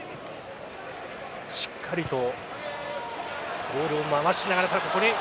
しっかりとボールを回しながら。